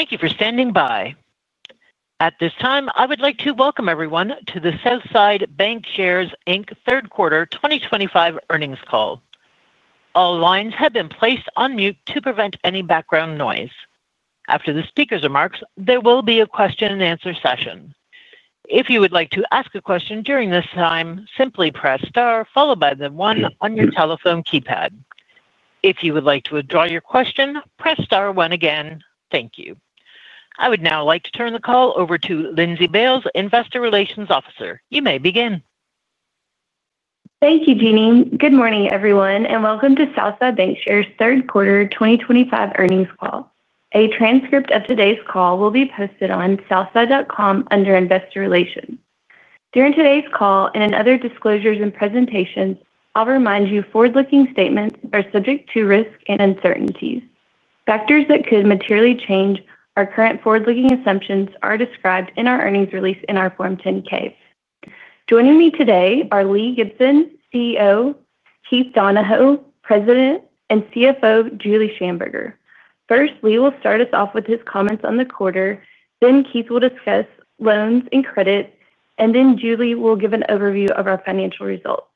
Thank you for standing by. At this time, I would like to welcome everyone to the Southside Bancshares Inc. Third Quarter 2025 earnings call. All lines have been placed on mute to prevent any background noise. After the speaker's remarks, there will be a question and answer session. If you would like to ask a question during this time, simply press star followed by the one on your telephone keypad. If you would like to withdraw your question, press star one again. Thank you. I would now like to turn the call over to Lindsey Bailes, Investor Relations Officer. You may begin. Thank you, Jeannie. Good morning, everyone, and welcome to Southside Bancshares Inc.'s Third Quarter 2025 earnings call. A transcript of today's call will be posted on southside.com under Investor Relations. During today's call and in other disclosures and presentations, I'll remind you forward-looking statements are subject to risk and uncertainties. Factors that could materially change our current forward-looking assumptions are described in our earnings release and our Form 10-K. Joining me today are Lee Gibson, CEO, Keith Donahoe, President, and CFO Julie Shamburger. First, Lee will start us off with his comments on the quarter, then Keith will discuss loans and credit, and then Julie will give an overview of our financial results.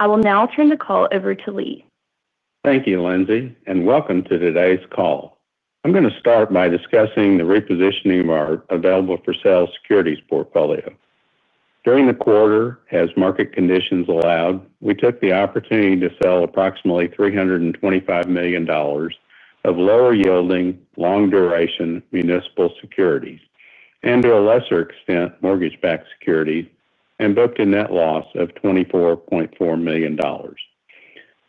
I will now turn the call over to Lee. Thank you, Lindsey, and welcome to today's call. I'm going to start by discussing the repositioning of our available-for-sale securities portfolio. During the quarter, as market conditions allowed, we took the opportunity to sell approximately $325 million of lower-yielding, long-duration municipal securities and, to a lesser extent, mortgage-backed securities, and booked a net loss of $24.4 million.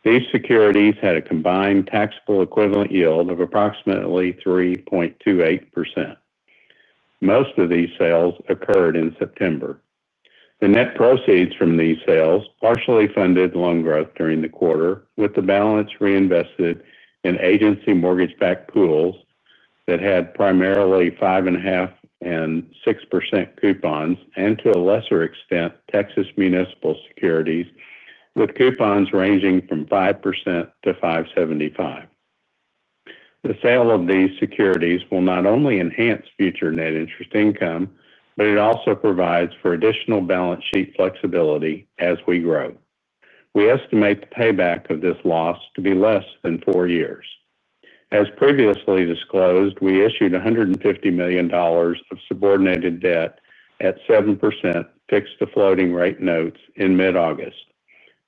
These securities had a combined taxable equivalent yield of approximately 3.28%. Most of these sales occurred in September. The net proceeds from these sales partially funded loan growth during the quarter, with the balance reinvested in agency mortgage-backed pools that had primarily 5.5% and 6.0% coupons and, to a lesser extent, Texas municipal securities with coupons ranging from 5%-5.75%. The sale of these securities will not only enhance future net interest income, but it also provides for additional balance sheet flexibility as we grow. We estimate the payback of this loss to be less than four years. As previously disclosed, we issued $150 million of subordinated notes at 7% fixed to floating rate notes in mid-August.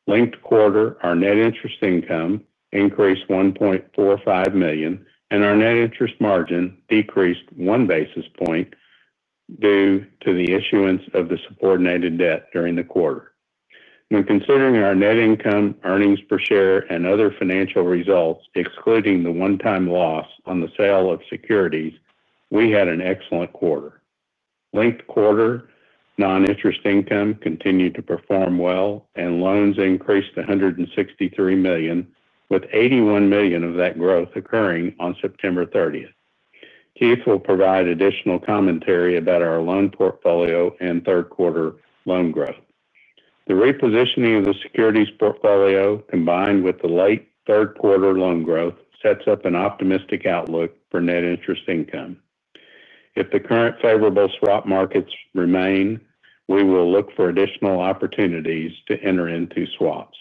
Linked quarter, our net interest income increased $1.45 million, and our net interest margin decreased one basis point due to the issuance of the subordinated notes during the quarter. When considering our net income, earnings per share, and other financial results, excluding the one-time loss on the sale of securities, we had an excellent quarter. Linked quarter, non-interest income continued to perform well, and loans increased to $163 million, with $81 million of that growth occurring on September 30. Keith will provide additional commentary about our loan portfolio and third-quarter loan growth. The repositioning of the securities portfolio, combined with the late third-quarter loan growth, sets up an optimistic outlook for net interest income. If the current favorable swap markets remain, we will look for additional opportunities to enter into swaps.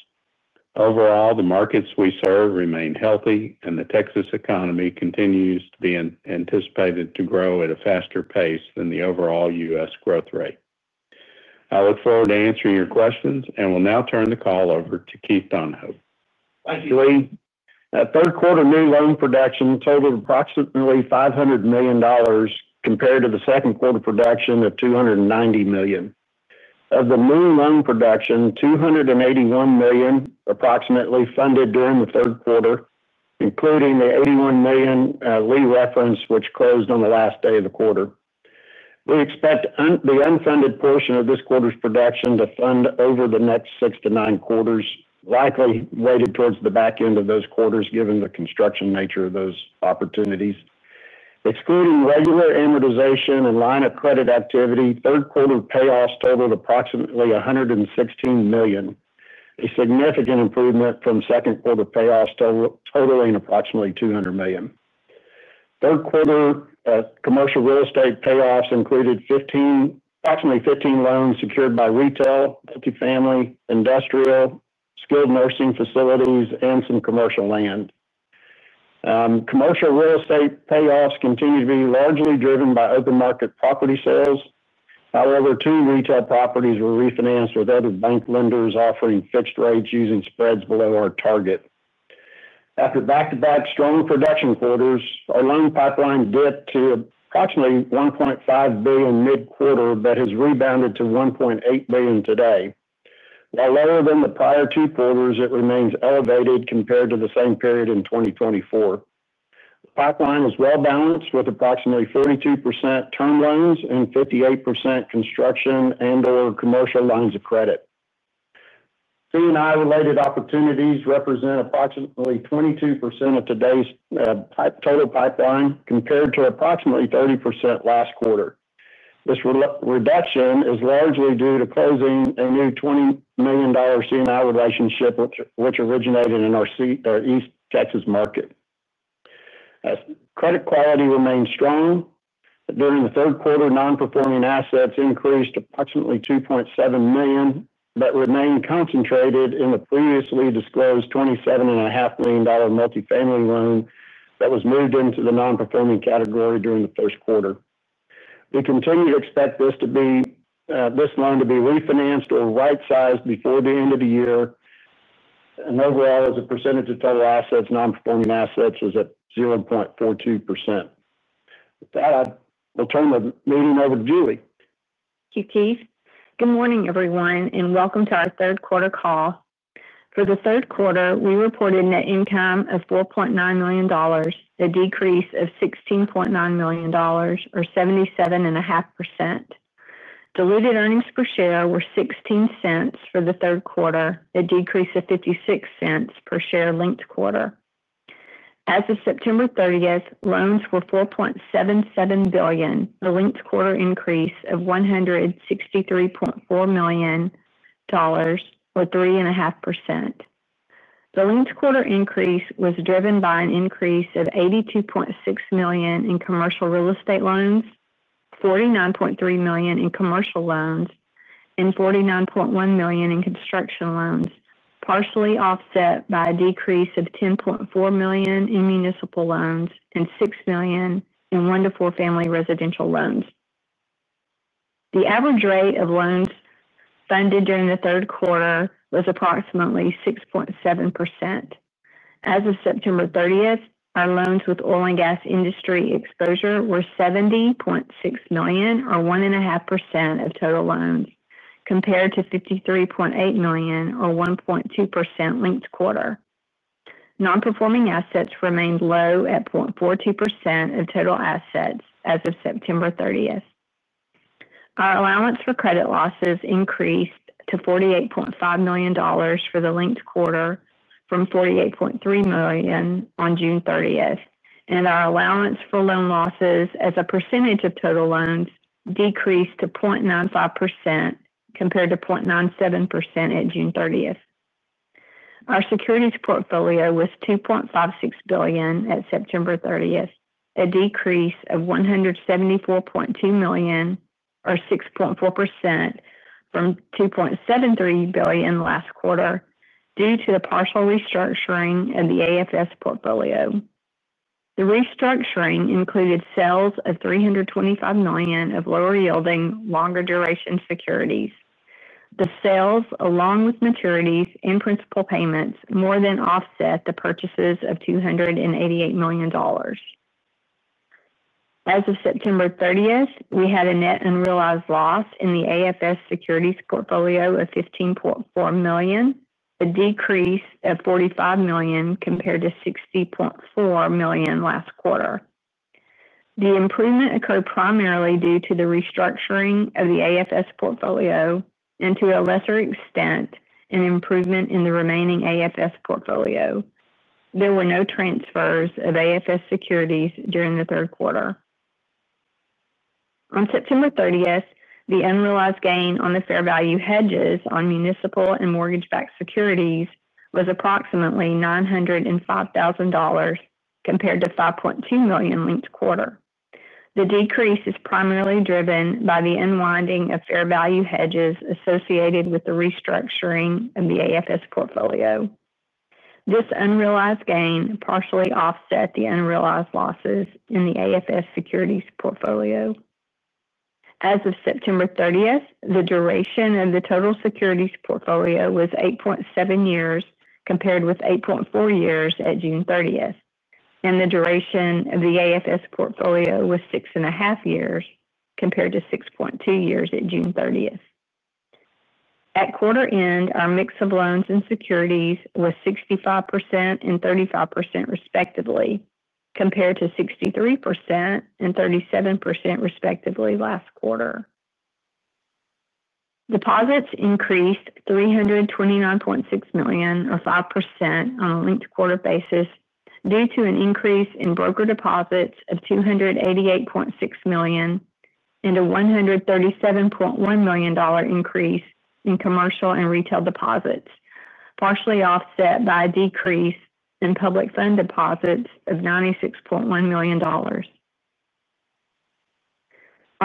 Overall, the markets we serve remain healthy, and the Texas economy continues to be anticipated to grow at a faster pace than the overall U.S. growth rate. I look forward to answering your questions, and will now turn the call over to Keith Donahoe. Thank you Lee. Third quarter new loan production totaled approximately $500 million compared to the second quarter production of $290 million. Of the new loan production, $281 million approximately funded during the third quarter, including the $81 million Lee referenced, which closed on the last day of the quarter. We expect the unfunded portion of this quarter's production to fund over the next 6-9 quarters, likely weighted towards the back end of those quarters, given the construction nature of those opportunities. Excluding regular amortization and line of credit activity, third quarter payoffs totaled approximately $116 million, a significant improvement from second quarter payoffs totaling approximately $200 million. Third quarter commercial real estate payoffs included approximately 15 loans secured by retail, multifamily, industrial, skilled nursing facilities, and some commercial land. Commercial real estate payoffs continue to be largely driven by open market property sales. However, two retail properties were refinanced with other bank lenders offering fixed rates using spreads below our target. After back-to-back strong production quarters, our loan pipeline dipped to approximately $1.5 billion mid-quarter, but has rebounded to $1.8 billion today. While lower than the prior two quarters, it remains elevated compared to the same period in 2024. The pipeline is well balanced with approximately 42% term loans and 58% construction and/or commercial lines of credit. C&I-related opportunities represent approximately 22% of today's total pipeline compared to approximately 30% last quarter. This reduction is largely due to closing a new $20 million C&I relationship, which originated in our East Texas market. Credit quality remains strong. During the third quarter, non-performing assets increased to approximately $2.7 million, but remained concentrated in the previously disclosed $27.5 million multifamily loan that was moved into the non-performing category during the first quarter. We continue to expect this loan to be refinanced or right-sized before the end of the year. Overall, as a percentage of total assets, non-performing assets is at 0.42%. With that, I will turn the meeting over to Julie. Thank you, Keith. Good morning, everyone, and welcome to our third quarter call. For the third quarter, we reported net income of $4.9 million, a decrease of $16.9 million or 77.5%. Diluted earnings per share were $0.16 for the third quarter, a decrease of $0.56/share linked quarter. As of September 30, loans were $4.77 billion, a linked quarter increase of $163.4 million or 3.5%. The linked quarter increase was driven by an increase of $82.6 million in commercial real estate loans, $49.3 million in commercial loans, and $49.1 million in construction loans, partially offset by a decrease of $10.4 million in municipal loans and $6 million in one-to-four family residential loans. The average rate of loans funded during the third quarter was approximately 6.7%. As of September 30, our loans with oil and gas industry exposure were $70.6 million or 1.5% of total loans compared to $53.8 million or 1.2% linked quarter. Non-performing assets remained low at 0.42% of total assets as of September 30. Our allowance for credit losses increased to $48.5 million for the linked quarter from $48.3 million on June 30. Our allowance for loan losses as a percentage of total loans decreased to 0.95% compared to 0.97% at June 30. Our securities portfolio was $2.56 billion at September 30, a decrease of $174.2 million or 6.4% from $2.73 billion last quarter due to the partial restructuring of the AFS securities portfolio. The restructuring included sales of $325 million of lower-yielding, longer-duration securities. The sales, along with maturities and principal payments, more than offset the purchases of $288 million. As of September 30, we had a net unrealized loss in the AFS securities portfolio of $15.4 million, a decrease of $45 million compared to $60.4 million last quarter. The improvement occurred primarily due to the restructuring of the AFS portfolio and, to a lesser extent, an improvement in the remaining AFS portfolio. There were no transfers of AFS securities during the third quarter. On September 30, the unrealized gain on the fair value hedges on municipal and mortgage-backed securities was approximately $905,000 compared to $5.2 million linked quarter. The decrease is primarily driven by the unwinding of fair value hedges associated with the restructuring of the AFS portfolio. This unrealized gain partially offset the unrealized losses in the AFS securities portfolio. As of September 30, the duration of the total securities portfolio was 8.7 years compared with 8.4 years at June 30. The duration of the AFS securities portfolio was 6.5 years compared to 6.2 years at June 30. At quarter end, our mix of loans and securities was 65% and 35% respectively compared to 63% and 37% respectively last quarter. Deposits increased $329.6 million or 5% on a linked quarter basis due to an increase in brokered deposits of $288.6 million and a $137.1 million increase in commercial and retail deposits, partially offset by a decrease in public fund deposits of $96.1 million. On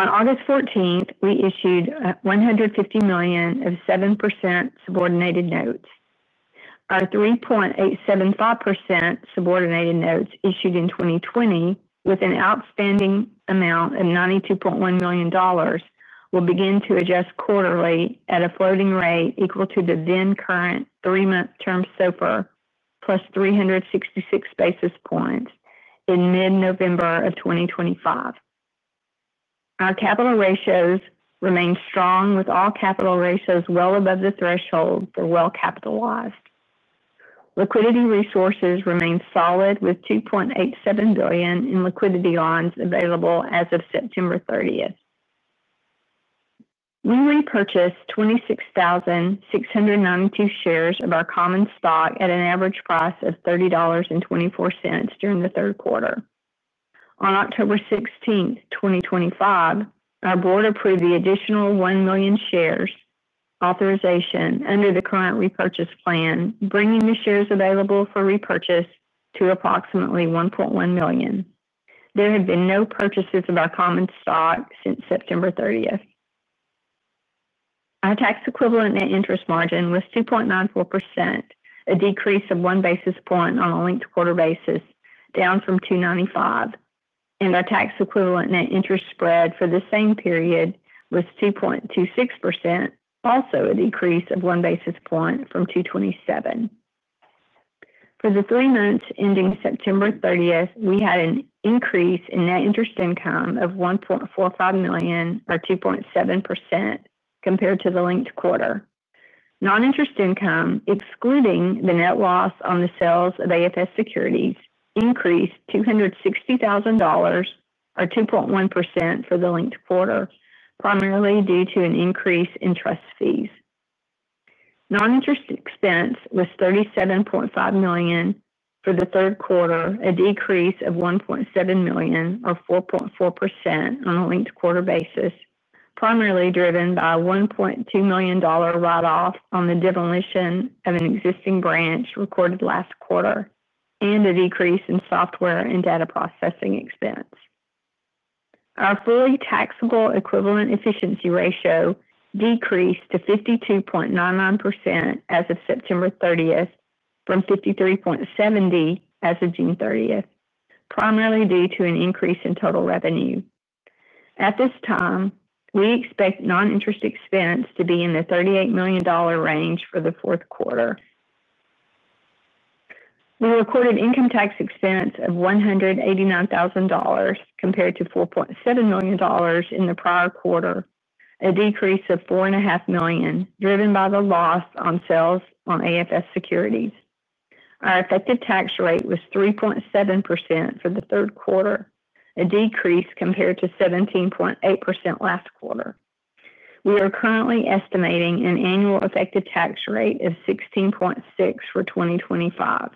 August 14, we issued $150 million of 7% subordinated notes. Our 3.875% subordinated notes issued in 2020 with an outstanding amount of $92.1 million will begin to adjust quarterly at a floating rate equal to the then current three-month term SOFR +366 basis points in mid-November of 2025. Our capital ratios remain strong, with all capital ratios well above the threshold for well-capitalized. Liquidity resources remain solid with $2.87 billion in liquidity lines available as of September 30. We repurchased 26,692 shares of our common stock at an average price of $30.24 during the third quarter. On October 16, 2025, our board approved the additional 1 million shares authorization under the current repurchase plan, bringing the shares available for repurchase to approximately 1.1 million. There have been no purchases of our common stock since September 30. Our tax equivalent net interest margin was 2.94%, a decrease of one basis point on a linked quarter basis, down from 2.95%. Our tax equivalent net interest spread for the same period was 2.26%, also a decrease of one basis point from 2.27%. For the three months ending September 30, we had an increase in net interest income of $1.45 million or 2.7% compared to the linked quarter. Non-interest income, excluding the net loss on the sales of AFS securities, increased $260,000 or 2.1% for the linked quarter, primarily due to an increase in trust fees. Non-interest expense was $37.5 million for the third quarter, a decrease of $1.7 million or 4.4% on a linked quarter basis, primarily driven by a $1.2 million write-off on the demolition of an existing branch recorded last quarter and a decrease in software and data processing expense. Our fully taxable equivalent efficiency ratio decreased to 52.99% as of September 30 from 53.70% as of June 30, primarily due to an increase in total revenue. At this time, we expect non-interest expense to be in the $38 million range for the fourth quarter. We recorded income tax expense of $189,000 compared to $4.7 million in the prior quarter, a decrease of $4.5 million driven by the loss on sales on AFS securities. Our effective tax rate was 3.7% for the third quarter, a decrease compared to 17.8% last quarter. We are currently estimating an annual effective tax rate of 16.6% for 2025.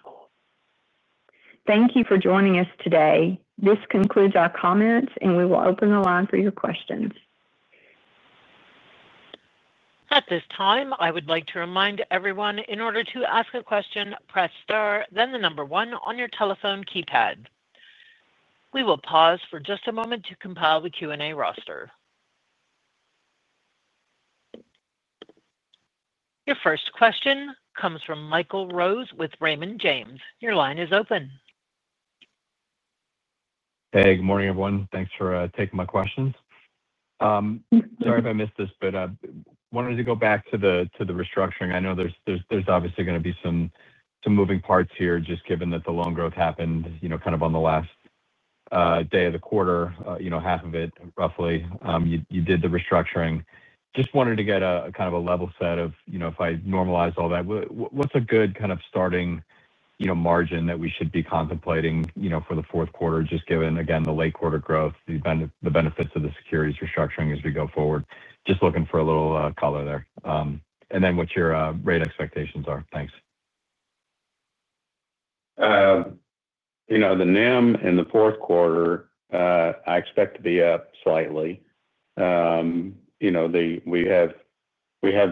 Thank you for joining us today. This concludes our comments, and we will open the line for your questions. At this time, I would like to remind everyone, in order to ask a question, press star then the number one on your telephone keypad. We will pause for just a moment to compile the Q&A roster. Your first question comes from Michael Rose with Raymond James. Your line is open. Hey, good morning, everyone. Thanks for taking my questions. Sorry if I missed this, but I wanted to go back to the restructuring. I know there's obviously going to be some moving parts here, just given that the loan growth happened kind of on the last day of the quarter, half of it, roughly. You did the restructuring. Just wanted to get a kind of a level set of, you know, if I normalize all that, what's a good kind of starting margin that we should be contemplating for the fourth quarter, just given, again, the late quarter growth, the benefits of the securities restructuring as we go forward? Just looking for a little color there. What your rate expectations are. Thanks. You know NEM in the fourth quarter, I expect to be up slightly. We have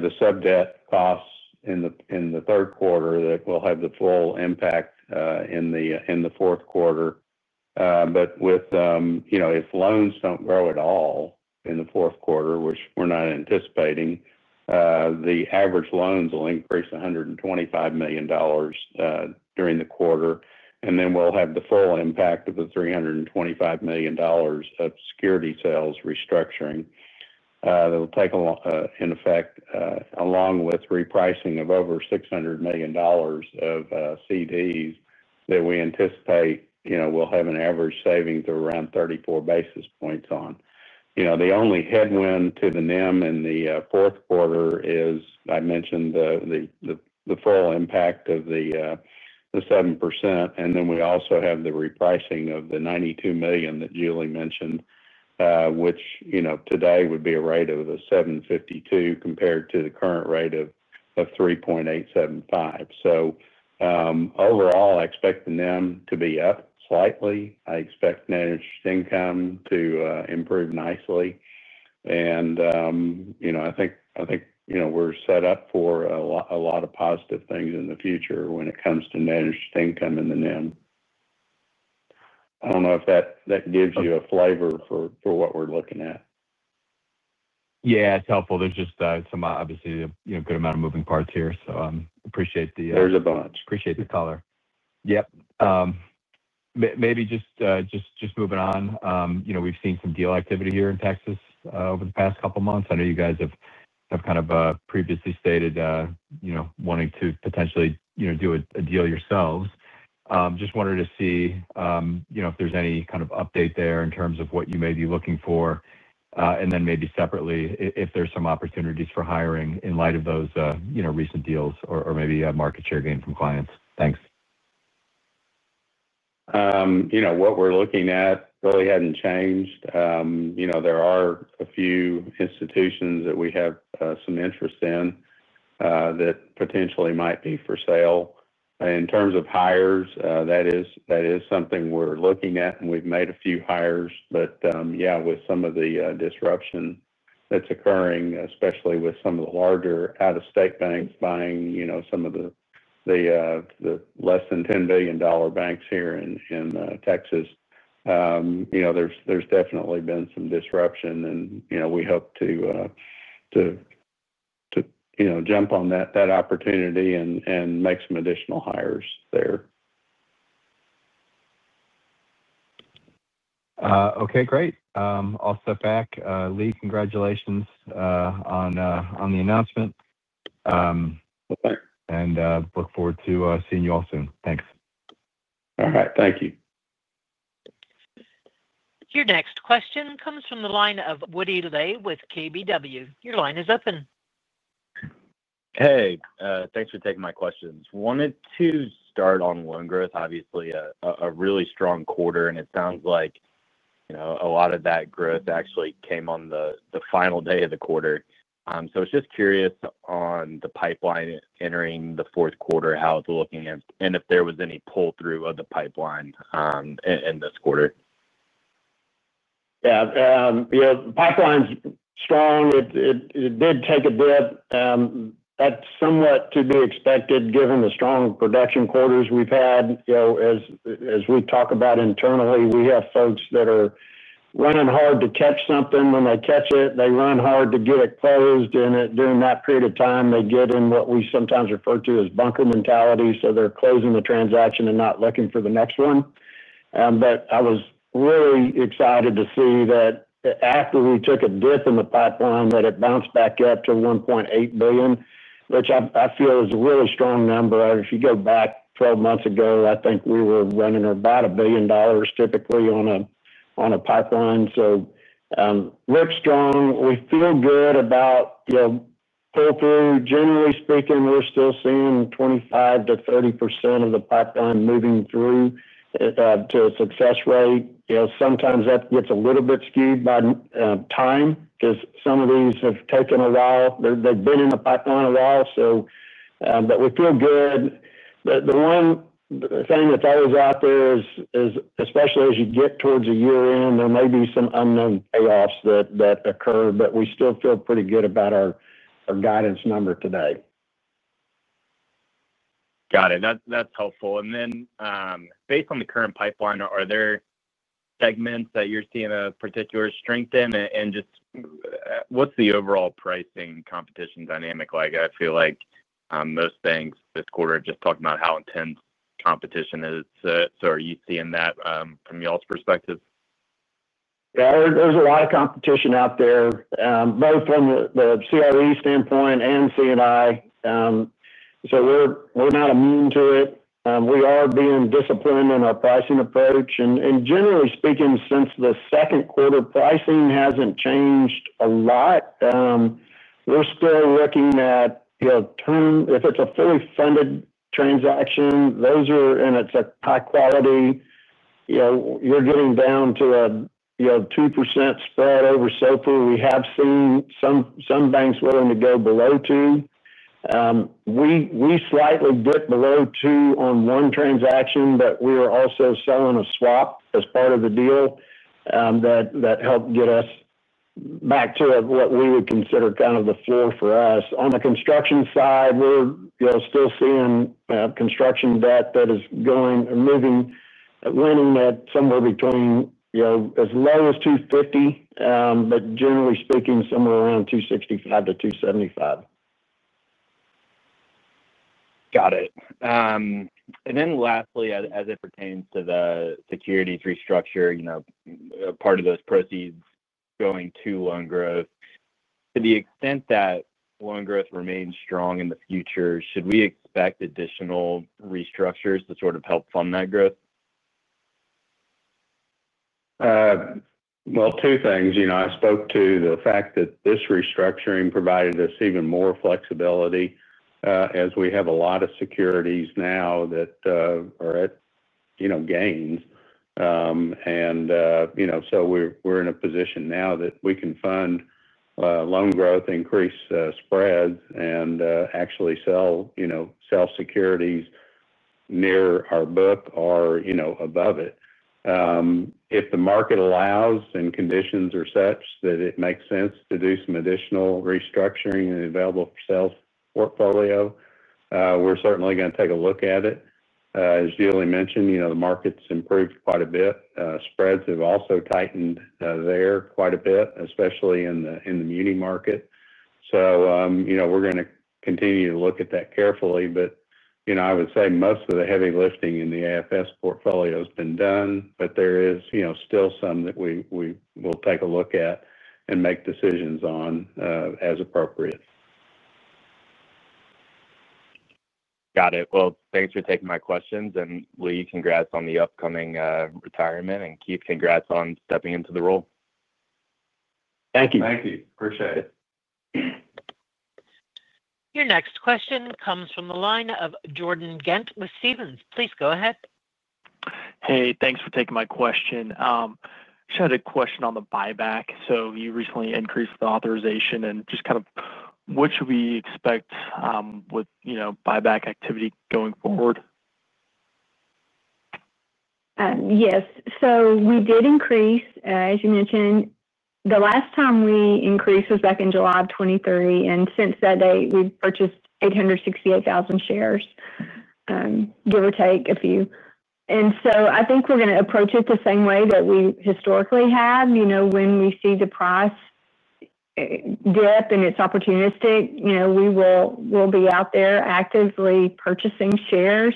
the subordinated notes costs in the third quarter that will have the full impact in the fourth quarter. If loans don't grow at all in the fourth quarter, which we're not anticipating, the average loans will increase $125 million during the quarter. We'll have the full impact of the $325 million of security sales restructuring that will take effect, along with a repricing of over $600 million of certificates of deposit that we anticipate will have an average savings of around 34 basis points. The only headwind to the net interest margin in the fourth quarter is, as I mentioned, the full impact of the 7%. We also have the repricing of the $92 million that Julie Shamburger mentioned, which today would be a rate of $7.52 compared to the current rate of $3.875. Overall, I expect the net interest margin to be up slightly. I expect net interest income to improve nicely. I think we're set up for a lot of positive things in the future when it comes to net interest income and the net interest margin. I don't know if that gives you a flavor for what we're looking at. Yeah, it's helpful. There's just some, obviously, a good amount of moving parts here. I appreciate there's a bunch. Appreciate the color. Yep. Maybe just moving on. We've seen some deal activity here in Texas over the past couple of months. I know you guys have kind of previously stated wanting to potentially do a deal yourselves. Just wanted to see if there's any kind of update there in terms of what you may be looking for. Maybe separately, if there's some opportunities for hiring in light of those recent deals or maybe a market share gain from clients. Thanks. What we're looking at really hadn't changed. There are a few institutions that we have some interest in that potentially might be for sale. In terms of hires, that is something we're looking at, and we've made a few hires. With some of the disruption that's occurring, especially with some of the larger out-of-state banks buying some of the less than $10 billion banks here in Texas, there's definitely been some disruption. We hope to jump on that opportunity and make some additional hires there. Okay, great. I'll step back. Lee, congratulations on the announcement. Well, thanks. I look forward to seeing you all soon. Thanks. All right. Thank you. Your next question comes from the line of Wood Lay with KBW. Your line is open. Hey, thanks for taking my questions. Wanted to start on loan growth. Obviously, a really strong quarter, and it sounds like a lot of that growth actually came on the final day of the quarter. I was just curious on the pipeline entering the fourth quarter, how it's looking, and if there was any pull-through of the pipeline in this quarter? Yeah, you know, the pipeline's strong. It did take a dip. That's somewhat to be expected given the strong production quarters we've had. As we talk about internally, we have folks that are running hard to catch something. When they catch it, they run hard to get it closed. During that period of time, they get in what we sometimes refer to as bunker mentality. They're closing the transaction and not looking for the next one. I was really excited to see that after we took a dip in the pipeline, it bounced back up to $1.8 billion, which I feel is a really strong number. If you go back 12 months ago, I think we were running about $1 billion typically on a pipeline. Looks strong. We feel good about, you know, pull-through. Generally speaking, we're still seeing 25%-30% of the pipeline moving through to a success rate. Sometimes that gets a little bit skewed by time because some of these have taken a while. They've been in the pipeline a while. We feel good. The one thing that's always out there is, especially as you get towards year-end, there may be some unknown payoffs that occur, but we still feel pretty good about our guidance number today. Got it. That's helpful. Based on the current pipeline, are there segments that you're seeing a particular strength in? What's the overall pricing competition dynamic like? I feel like most banks this quarter are just talking about how intense competition is. Are you seeing that, from y'all's perspective? Yeah, there's a lot of competition out there, both from the commercial real estate standpoint and C&I. We're not immune to it. We are being disciplined in our pricing approach. Generally speaking, since the second quarter, pricing hasn't changed a lot. We're still looking at, you know, if it's a fully funded transaction, those are, and it's a high quality, you know, you're getting down to a, you know, 2% spread over SOFR. We have seen some banks willing to go below 2%. We slightly dipped below 2% on one transaction, but we were also selling a swap as part of the deal. That helped get us back to what we would consider kind of the floor for us. On the construction side, we're still seeing construction debt that is moving at somewhere between, you know, as low as $250, but generally speaking, somewhere around $265-$275. Got it. Lastly, as it pertains to the securities restructure, you know, a part of those proceeds going to loan growth. To the extent that loan growth remains strong in the future, should we expect additional restructures to sort of help fund that growth? Two things. I spoke to the fact that this restructuring provided us even more flexibility, as we have a lot of securities now that are at gains. We're in a position now that we can fund loan growth, increase spreads, and actually sell securities near our book or above it. If the market allows and conditions are such that it makes sense to do some additional restructuring in the AFS securities portfolio, we're certainly going to take a look at it. As Julie mentioned, the market's improved quite a bit. Spreads have also tightened there quite a bit, especially in the muni market. We're going to continue to look at that carefully. I would say most of the heavy lifting in the AFS portfolio has been done, but there is still some that we will take a look at and make decisions on, as appropriate. Got it. Thanks for taking my questions. Lee, congrats on the upcoming retirement. Keith, congrats on stepping into the role. Thank you. Thank you. Appreciate it. Your next question comes from the line of Jordan Ghent with Stephens. Please go ahead. Hey, thanks for taking my question. I just had a question on the buyback. You recently increased the authorization. What should we expect, with, you know, buyback activity going forward? Yes. We did increase, as you mentioned. The last time we increased was back in July of 2023. Since that date, we've purchased 868,000 shares, give or take a few. I think we're going to approach it the same way that we historically have. When we see the price dip and it's opportunistic, we will be out there actively purchasing shares.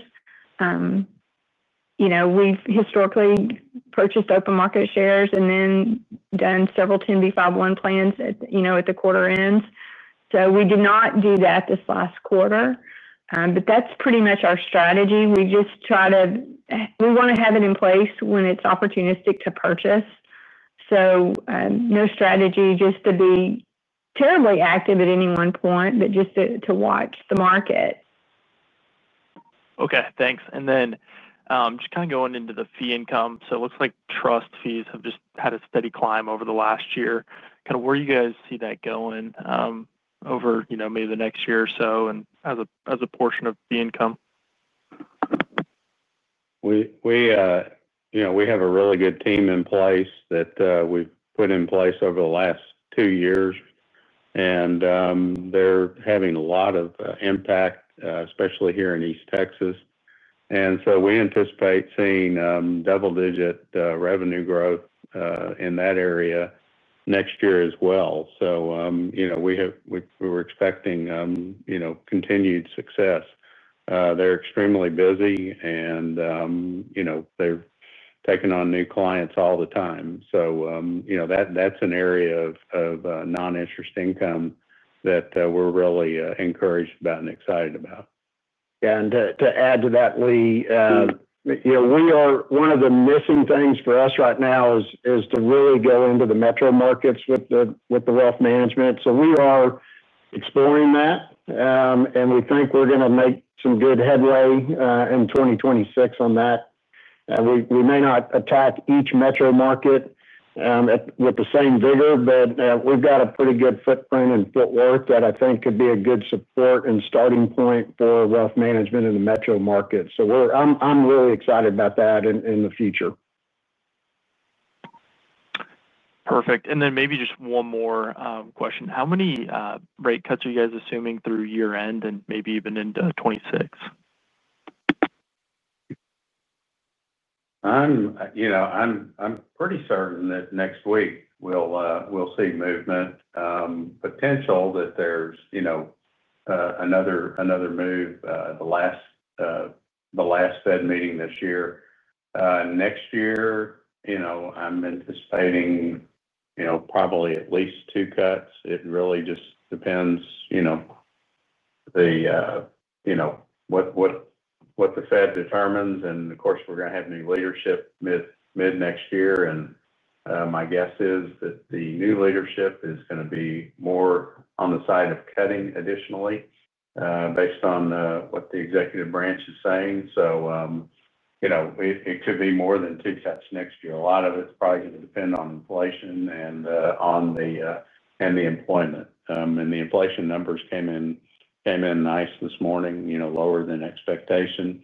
We've historically purchased open market shares and then done several 10b5-1 plans at the quarter ends. We did not do that this last quarter. That's pretty much our strategy. We just try to, we want to have it in place when it's opportunistic to purchase. No strategy just to be terribly active at any one point, but just to watch the market. Okay. Thanks. Just kind of going into the fee income, it looks like trust fees have just had a steady climb over the last year. Kind of where do you guys see that going, over, you know, maybe the next year or so and as a portion of the income? We have a really good team in place that we've put in place over the last two years. They're having a lot of impact, especially here in East Texas. We anticipate seeing double-digit revenue growth in that area next year as well. We were expecting continued success. They're extremely busy and they're taking on new clients all the time. That's an area of non-interest income that we're really encouraged about and excited about. Yeah. To add to that, Lee, you know, one of the missing things for us right now is to really go into the metro markets with the wealth management. We are exploring that, and we think we're going to make some good headway in 2026 on that. We may not attack each metro market with the same vigor, but we've got a pretty good footprint and footwork that I think could be a good support and starting point for wealth management in the metro market. I'm really excited about that in the future. Perfect. Maybe just one more question. How many rate cuts are you guys assuming through year-end and maybe even into 2026? I'm pretty certain that next week we'll see movement. There's potential that there's another move, the last Fed meeting this year. Next year, I'm anticipating probably at least two cuts. It really just depends what the Fed determines. Of course, we're going to have new leadership mid-next year. My guess is that the new leadership is going to be more on the side of cutting additionally, based on what the executive branch is saying. It could be more than two cuts next year. A lot of it's probably going to depend on inflation and on the employment. The inflation numbers came in nice this morning, lower than expectation,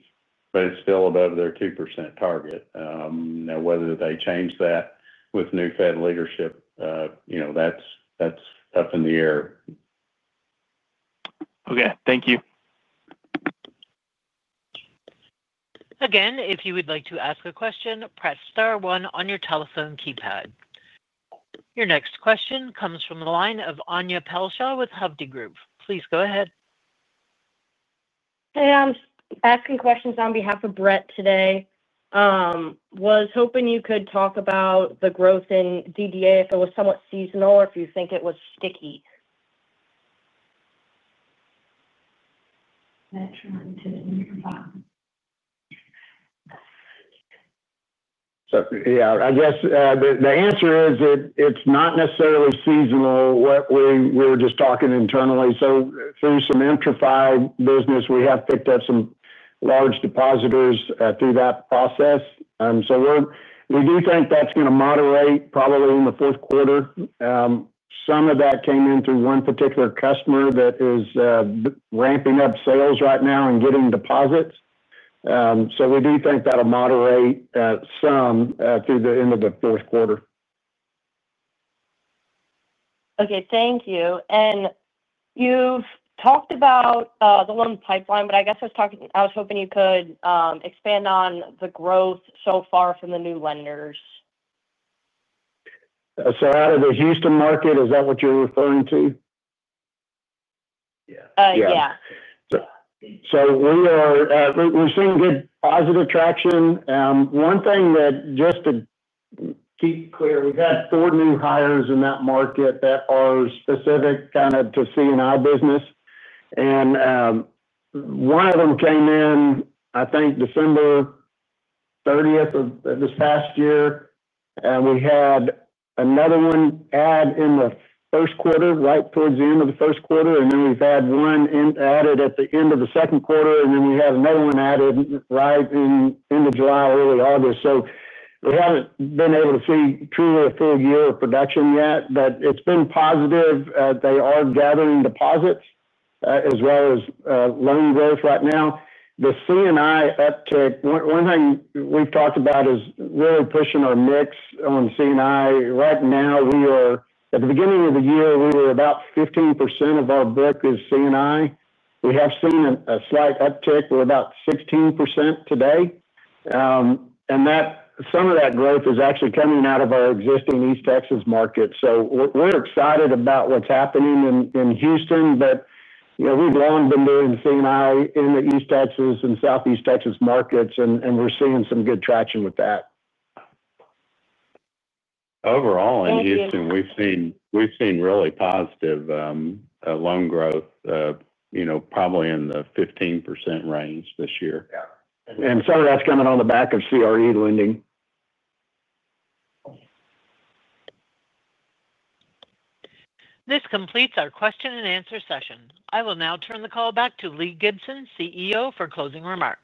but it's still above their 2% target. Now, whether they change that with new Fed leadership, that's up in the air. Okay, thank you. Again, if you would like to ask a question, press star one on your telephone keypad. Your next question comes from the line of Anya Pelshaw with Hovde Group. Please go ahead. Hey, I'm asking questions on behalf of Brett today. I was hoping you could talk about the growth in DDA, if it was somewhat seasonal or if you think it was sticky. Sorry. Yeah, I guess the answer is it's not necessarily seasonal. We were just talking internally. Through some enterprise business, we have picked up some large depositors through that process. We do think that's going to moderate probably in the fourth quarter. Some of that came in through one particular customer that is ramping up sales right now and getting deposits. We do think that'll moderate, some, through the end of the fourth quarter. Thank you. You've talked about the loan pipeline. I was hoping you could expand on the growth so far from the new lenders. Out of the Houston market, is that what you're referring to? Yeah. Yeah. Yeah. We are seeing good positive traction. One thing that just to keep clear, we've had four new hires in that market that are specific kind of to C&I business. One of them came in, I think, December 30 of this past year. We had another one add in the first quarter, right towards the end of the first quarter. We've had one added at the end of the second quarter. We had another one added right in the end of July, early August. We haven't been able to see truly a full year of production yet, but it's been positive. They are gathering deposits, as well as loan growth right now. The C&I uptick, one thing we've talked about is really pushing our mix on C&I. Right now, at the beginning of the year, we were about 15% of our book is C&I. We have seen a slight uptick. We're about 16% today, and some of that growth is actually coming out of our existing East Texas market. We're excited about what's happening in Houston, but you know we've long been doing C&I in the East Texas and Southeast Texas markets, and we're seeing some good traction with that. Overall, in Houston, we've seen really positive loan growth, you know, probably in the 15% range this year. Yeah, some of that's coming on the back of commercial real estate lending. This completes our question and answer session. I will now turn the call back to Lee Gibson, CEO, for closing remarks.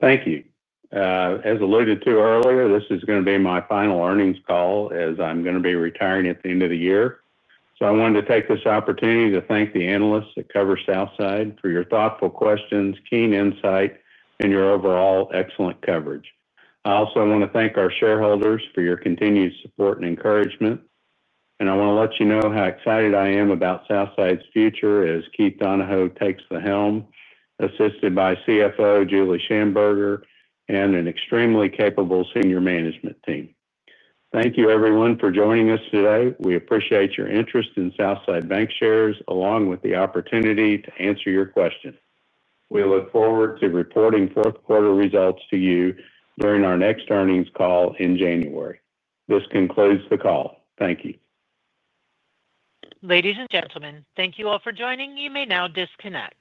Thank you. As alluded to earlier, this is going to be my final earnings call as I'm going to be retiring at the end of the year. I wanted to take this opportunity to thank the analysts that cover Southside for your thoughtful questions, keen insight, and your overall excellent coverage. I also want to thank our shareholders for your continued support and encouragement. I want to let you know how excited I am about Southside's future as Keith Donahoe takes the helm, assisted by CFO Julie Shamburger and an extremely capable senior management team. Thank you, everyone, for joining us today. We appreciate your interest in Southside Bancshares Inc. along with the opportunity to answer your questions. We look forward to reporting fourth quarter results to you during our next earnings call in January. This concludes the call. Thank you. Ladies and gentlemen, thank you all for joining. You may now disconnect.